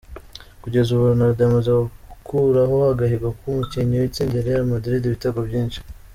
Kugeza ubu Ronaldo yamaze gukuraho agahigo k’umukinnyi watsindiye Real Madrid ibitego byinshi.